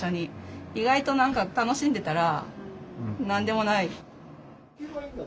意外と何か楽しんでたら何でもない。